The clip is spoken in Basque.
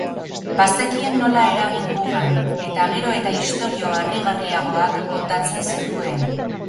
Bazekien nola eragin gugan, eta gero eta istorio harrigarriagoak kontatzen zituen.